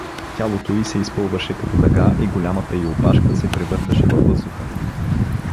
Тялото й се изпъваше като дъга и голямата й опашка се превърташе във въздуха.